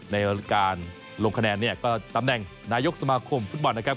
ในการลงคะแนนเนี่ยก็ตำแหน่งนายกสมาคมฟุตบอลนะครับ